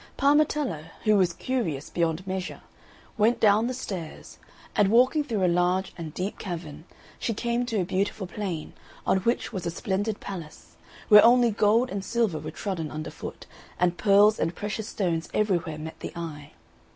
Parmetella, who was curious beyond measure, went down the stairs, and walking through a large and deep cavern, she came to a beautiful plain, on which was a splendid palace, where only gold and silver were trodden underfoot, and pearls and precious stones everywhere met the eye.